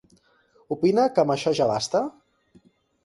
Opina que amb això ja basta?